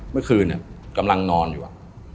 เมื่อคืนกำลังนอนอยู่